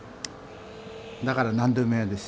だから何でも屋です。